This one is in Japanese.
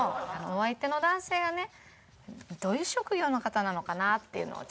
お相手の男性はねどういう職業の方なのかなっていうのをちょっと。